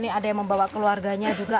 ini ada yang membawa keluarganya juga